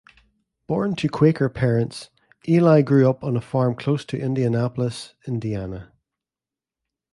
Born to Quaker parents, Eli grew up on a farm close to Indianapolis, Indiana.